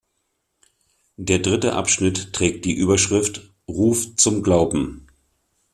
Der dritte Abschnitt trägt die Überschrift: "Ruf zum Glauben".